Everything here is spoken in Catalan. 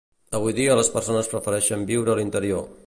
Avui dia les persones prefereixen viure a l'interior.